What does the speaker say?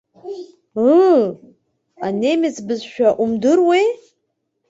Ыы, анемец бызшәа умдыруеи?